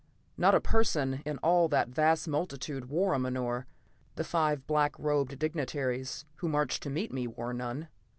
Not a person in all that vast multitude wore a menore; the five black robed dignitaries who marched to meet me wore none.